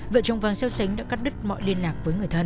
vợ chồng vàng xeo xánh đã cắt đứt mọi liên lạc với người thân